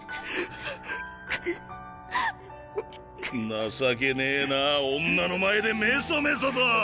情けねえなぁ女の前でメソメソと！